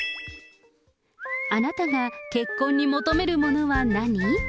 あなたが結婚に求めるものは何？